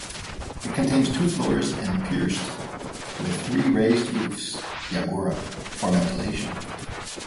It contains two floors and pierced with three raised roofs ("yagura") for ventilation.